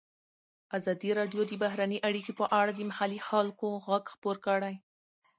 ازادي راډیو د بهرنۍ اړیکې په اړه د محلي خلکو غږ خپور کړی.